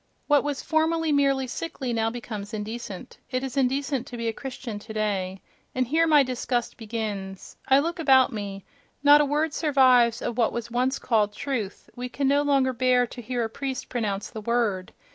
What was formerly merely sickly now becomes indecent—it is indecent to be a Christian today. And here my disgust begins.—I look about me: not a word survives of what was once called "truth"; we can no longer bear to hear a priest pronounce the word.